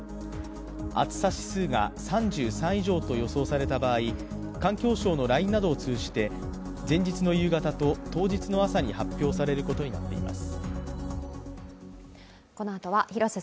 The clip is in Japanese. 暑さ指数が３３以上と予想された場合、環境省のＬＩＮＥなどを通じて前日の夕方と当日の朝に発表されることになっています。